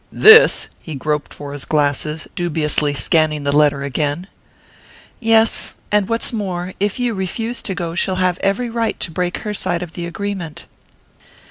"This?" He groped for his glasses, dubiously scanning the letter again. "Yes. And what's more, if you refuse to go she'll have every right to break her side of the agreement."